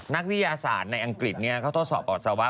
นักวิทยาศาสตร์ในอังกฤษเขาทดสอบปัสสาวะ